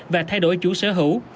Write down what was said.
và thay đổi chủ sở hữu